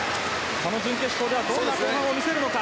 準決勝ではどんな泳ぎを見せるのか。